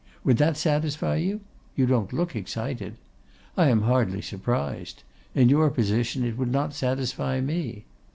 Would that satisfy you? You don't look excited. I am hardly surprised. In your position it would not satisfy me.